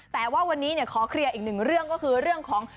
แต่ว่าวันนี้ขอเคลียร์อีกหนึ่งเรื่องก็คือเรื่องของ